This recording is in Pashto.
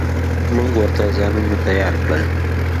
موږ ورته ځانونه تيار کړل.